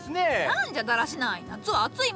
何じゃだらしない！